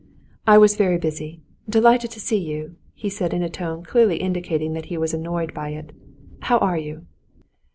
"I was very busy. Delighted to see you!" he said in a tone clearly indicating that he was annoyed by it. "How are you?"